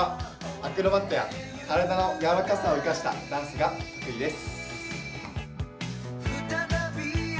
僕はアクロバットや体の柔らかさを生かしたダンスが得意です。